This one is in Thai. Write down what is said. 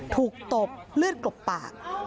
ตบเลือดกลบปาก